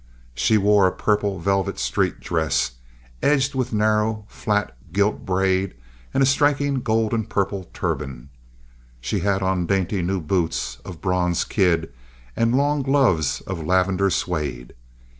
She wore a purple velvet street dress edged with narrow, flat gilt braid, and a striking gold and purple turban. She had on dainty new boots of bronze kid and long gloves of lavender suede.